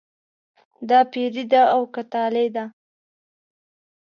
دا پیري ده او که طالع ده.